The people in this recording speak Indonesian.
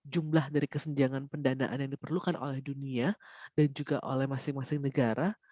jumlah dari kesenjangan pendanaan yang diperlukan oleh dunia dan juga oleh masing masing negara